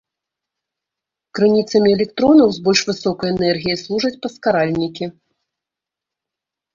Крыніцамі электронаў з больш высокай энергіяй служаць паскаральнікі.